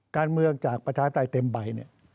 การเมืองจากประชาธิปไตยเต็มใบเนี่ย